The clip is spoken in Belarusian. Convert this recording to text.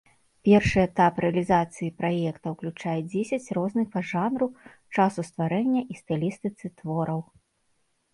Першы этап рэалізацыі праекта ўключае дзесяць розных па жанру, часу стварэння і стылістыцы твораў.